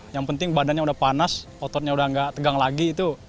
yang penting badannya udah panas ototnya udah gak tegang lagi itu